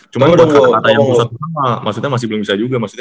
cuma buat kata kata yang besar juga maksudnya masih belum bisa juga